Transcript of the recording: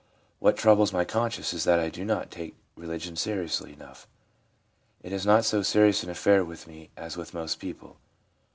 What troubles my conscience is that I do not take religion seriously enough. It is not so serious an affair with me as with most people.